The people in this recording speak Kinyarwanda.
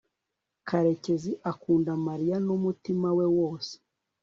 karekezi akunda mariya n'umutima we wose